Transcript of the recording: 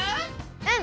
うん！